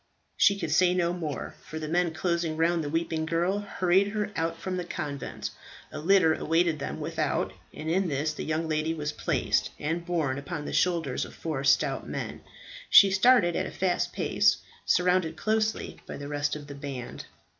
She could say no more, for the men closing round the weeping girl, hurried her out from the convent. A litter awaited them without, and in this the young lady was placed, and, borne upon the shoulders of four stout men, she started at a fast pace, surrounded closely by the rest of the band.